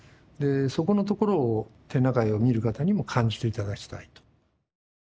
そこのところを展覧会を見る方にも感じて頂きたいと。